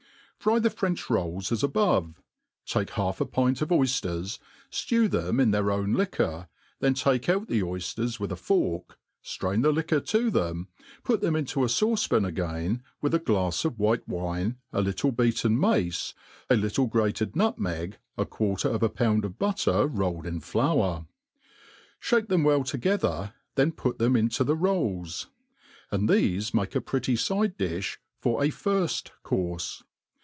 FRY the French rolls as above, take half a pint 6f oyftcrs^ ftew them iit their own liqucfr, then take out the oyftcrs with a fork, ftrain the Ktjuor to them, put them into a fauce pan again, with a glafs of white wine, a little beaten mace, a little grateci nutmeg, a quarter of a found of butter rolled in flour ; (hake them well together, then put them into the rolls ; and th^fe make a pretty fide di(h for a firft coarfe.